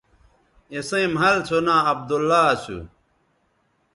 اِسئیں مَھل سو ناں عبداللہ اسو